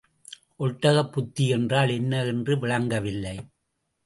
ஒட்டகப் புத்தி என்றால் என்ன என்று விளங்கவில்லை.